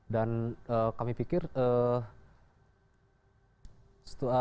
dan eh kami pikir eh